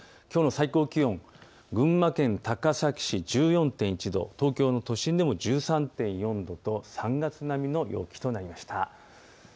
きょうの最高気温は群馬県高崎市、１４．１度、東京都心でも１３．４度と３月並みの陽気となりました。